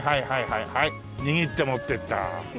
握って持っていった。